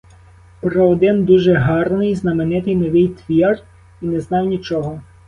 Про один дуже гарний, знаменитий новий твір і не знав нічого.